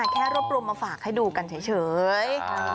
แค่รวบรวมมาฝากให้ดูกันเฉย